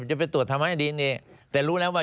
จะไปตรวจทำให้ดีนี่แต่รู้แล้วว่า